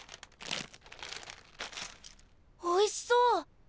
おいしそう！